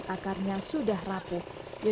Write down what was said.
akarnya sudah rapuh